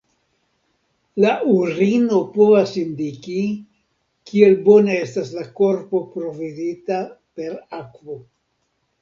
La urino povas indiki, kiel bone estas la korpo provizita per akvo.